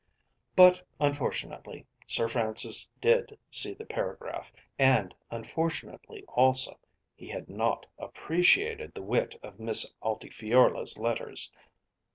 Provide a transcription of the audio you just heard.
But unfortunately Sir Francis did see the paragraph; and, unfortunately also, he had not appreciated the wit of Miss Altifiorla's letters.